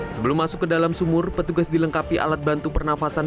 sebelum masuk ke dalam sumur petugas dilengkapi alat bantu pernafasan